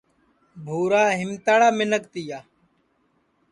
بُھورا ہیمتاڑا منکھ تیا